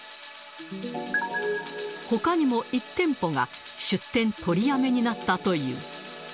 ほかにも１店舗が、出店取りやめになったという。